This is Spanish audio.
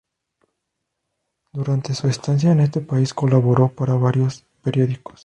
Durante su estancia en este país, colaboró para varios periódicos.